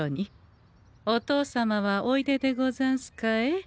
お父様はおいででござんすかえ？